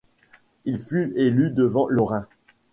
Il fut élu devant Lorin.